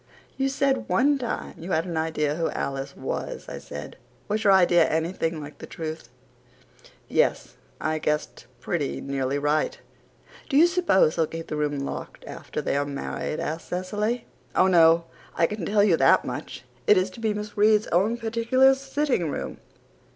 "You said one time you had an idea who 'Alice' was," I said. "Was your idea anything like the truth?" "Yes, I guessed pretty nearly right." "Do you suppose they'll keep the room locked after they are married?" asked Cecily. "Oh, no. I can tell you that much. It is to be Miss Reade's own particular sitting room."